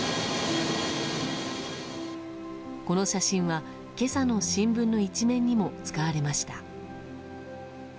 この写真は今朝の新聞の１面にも使われました。